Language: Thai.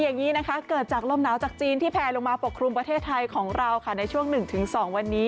อย่างนี้นะคะเกิดจากลมหนาวจากจีนที่แพลลงมาปกครุมประเทศไทยของเราค่ะในช่วง๑๒วันนี้